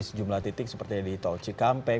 sejumlah titik seperti di tol cikampek